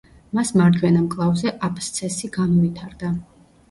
მას მარჯვენა მკლავზე აბსცესი განუვითარდა.